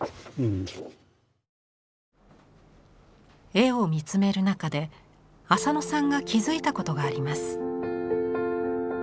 絵を見つめる中で浅野さんが気付いたことがあります。